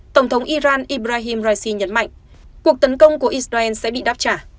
tổng thống iran ibrahim raisi nhấn mạnh cuộc tấn công của israel sẽ bị đáp trả